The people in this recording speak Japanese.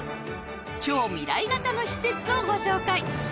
超未来型の施設をご紹介